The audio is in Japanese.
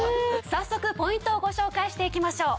早速ポイントをご紹介していきましょう。